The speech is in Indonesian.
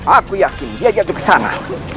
aku yakin dia jatuh ke sana